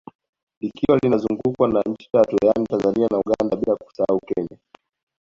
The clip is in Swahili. Likiwa linazungukwa na nchi Tatu yani Tanzania na Uganda bila kusahau Kenya